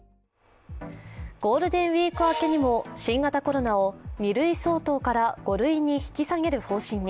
ゴールデンウイーク明けにも新型コロナを２類相当から５類に引き下げる方針に。